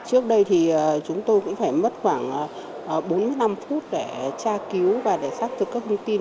trước đây thì chúng tôi cũng phải mất khoảng bốn mươi năm phút để tra cứu và để xác thực các thông tin